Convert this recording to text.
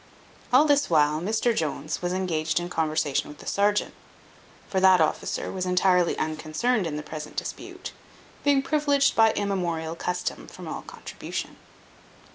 All this while Mr Jones was engaged in conversation with the serjeant; for that officer was entirely unconcerned in the present dispute, being privileged by immemorial custom from all contribution.